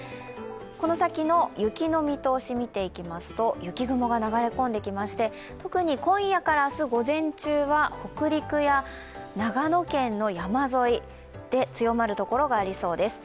この先の雪の見通しを見ていきますと雪雲が流れ込んできまして、特に今夜から明日午前中は北陸や長野県の山沿いで強まる所がありそうです。